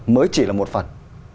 mới chỉ là một phần